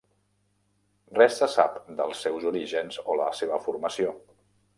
Res se sap dels seus orígens o la seva formació.